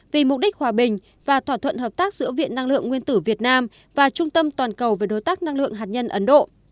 vì mục đích hòa bình và thỏa thuận hợp tác giữa viện năng lượng nguyên tử việt nam và trung tâm toàn cầu về đối tác năng lượng hạt nhân ấn độ